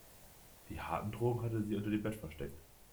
Die harten Drogen hatte sie unter dem Bett versteckt.